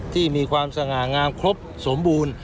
ที่มีความสง่างามครบสมบูรณ์